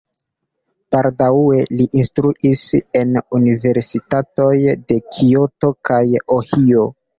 Baldaŭe li instruis en universitatoj de Kioto kaj Ohio.